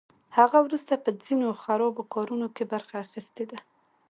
هغه وروسته په ځینو خرابو کارونو کې برخه اخیستې ده